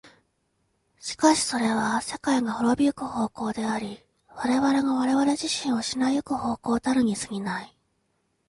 しかしそれは世界が亡び行く方向であり、我々が我々自身を失い行く方向たるに過ぎない。